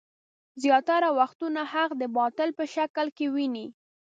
زياتره وختونه حق د باطل په شکل کې ويني.